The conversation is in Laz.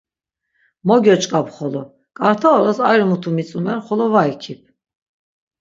Mo gyoç̆k̆ap xolo, k̆arta oras ari mutu mitzumer xolo va ikip.